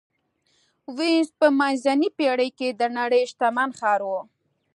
وینز په منځنۍ پېړۍ کې د نړۍ شتمن ښار و.